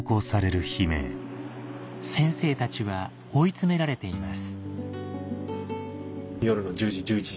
先生たちは追い詰められています